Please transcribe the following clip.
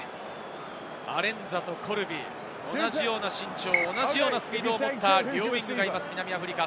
アレンザとコルビ、同じような身長、同じようなスピードを持った両ウイングがいます、南アフリカ。